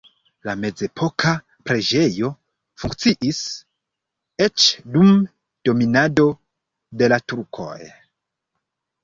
La mezepoka preĝejo funkciis eĉ dum dominado de la turkoj.